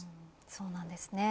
そうなんですね。